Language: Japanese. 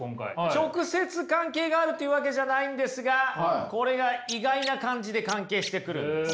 直接関係があるというわけじゃないんですがこれが意外な感じで関係してくるんです。